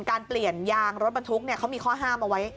เปลี่ยนยางรถบรรทุกเขามีข้อห้ามเอาไว้